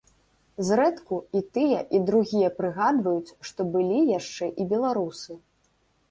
Зрэдку і тыя і другія прыгадваюць, што былі яшчэ і беларусы.